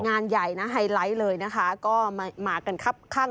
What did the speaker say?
งานใหญ่นะไฮไลท์เลยนะคะก็มากันครับข้าง